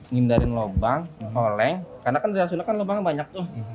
ngindarin lubang oleng karena kan di rasuna kan lubangnya banyak tuh